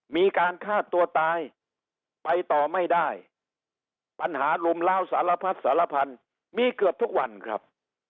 มีการฆ่าตัวตายไปต่อไม่ได้ปัญหาลุมล้าวสารพัดสารพันธุ์มีเกือบทุกวันครับ